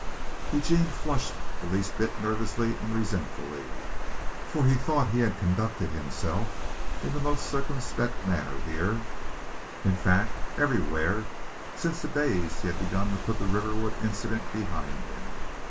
Eugene flushed the least bit nervously and resentfully, for he thought he had conducted himself in the most circumspect manner here in fact, everywhere since the days he had begun to put the Riverwood incident behind him.